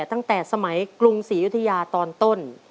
ตั้งแต่สมัยกรุงศรียุธยาตอนต้น